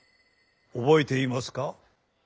覚えていますか？